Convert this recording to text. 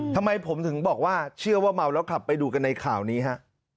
ทำไมผมถึงบอกว่าเชื่อว่าเมาแล้วขับไปดูกันในข่าวนี้ฮะ